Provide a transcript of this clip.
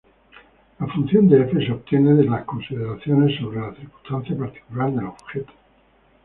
La función de F se obtiene de consideraciones sobre la circunstancia particular del objeto.